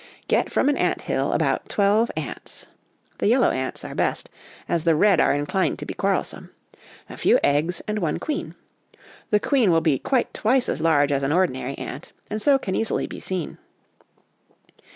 Get from an ant hill about twelve ants (the yellow ants are best, as the red are inclined to be quarrelsome), a few eggs, and one queen. The queen will be quite twice as large as an ordinary ant, and so can be easily seen.